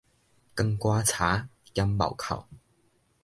扛棺柴兼貿哭